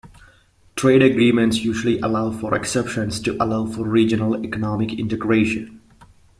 Trade agreements usually allow for exceptions to allow for regional economic integration.